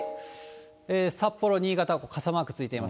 札幌、新潟、傘マークついています。